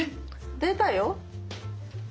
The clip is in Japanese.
出たよ！